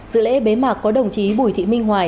dự lễ bế mạc có đồng chí bùi thị minh hoài